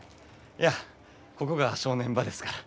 いやここが正念場ですから。